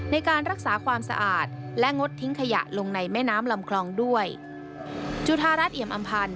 ในการรักษาความสะอาดและงดทิ้งขยะลงในแม่น้ำลำคลองด้วย